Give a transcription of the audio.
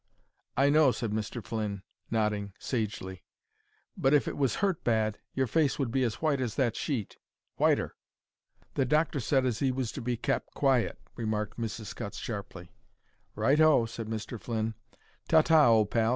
"I know," said Mr. Flynn, nodding sagely; "but if it was hurt bad your face would be as white as that sheet whiter." "The doctor said as he was to be kep' quiet," remarked Mrs. Scutts, sharply. "Right o," said Mr. Flynn. "Ta ta, old pal.